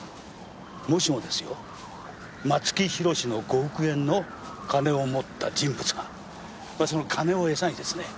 もしもですよ松木弘の５億円の金を持った人物がまあその金をエサにですね